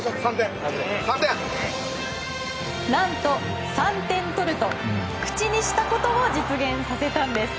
何と、３点取ると口にしたことを実現させたんです。